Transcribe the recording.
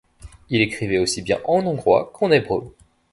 Elle écrivait aussi bien en hongrois qu’en hébreu.